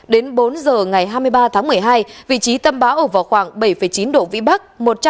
đến bốn giờ ngày hai mươi ba tháng một mươi hai vị trí tâm bão ở vào khoảng bảy chín độ vĩ bắc